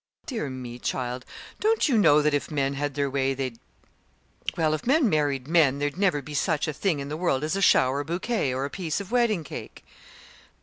"Dear me, child! don't you know that if men had their way, they'd well, if men married men there'd never be such a thing in the world as a shower bouquet or a piece of wedding cake!"